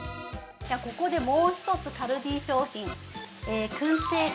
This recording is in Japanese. ◆ここで、もう一つカルディ商品。